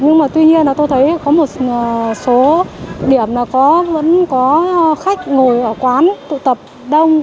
nhưng tuy nhiên tôi thấy có một số điểm là vẫn có khách ngồi ở quán tụ tập đông